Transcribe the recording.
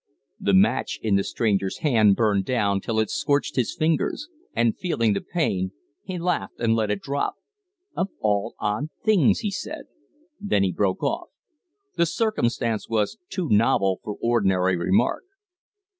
The match in the stranger's hand burned down till it scorched his fingers, and, feeling the pain, he laughed and let it drop. "Of all odd things!" he said. Then he broke off. The circumstance was too novel for ordinary remark.